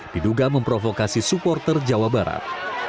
diduga memprovokasi supporter jawa barat